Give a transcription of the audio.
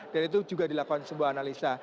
dan itu juga dilakukan sebuah analisa